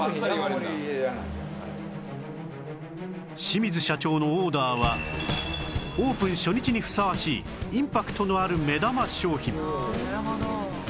清水社長のオーダーはオープン初日にふさわしいインパクトのある目玉商品